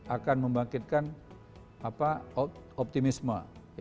akan membangkitkan optimisme